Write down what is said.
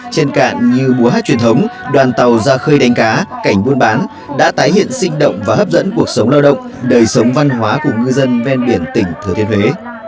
trên cạn như búa hát truyền thống đoàn tàu ra khơi đánh cá cảnh buôn bán đã tái hiện sinh động và hấp dẫn cuộc sống lao động đời sống văn hóa của ngư dân ven biển tỉnh thừa thiên huế